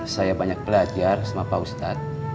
saya banyak belajar sama powesta